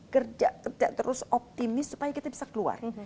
kerja tidak terus optimis supaya kita bisa keluar